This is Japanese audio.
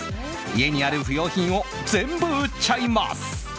家にある不要品を全部売っちゃいます。